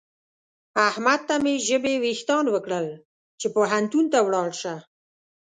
احمد ته مې ژبې وېښتان وکړل چې پوهنتون ته ولاړ شه.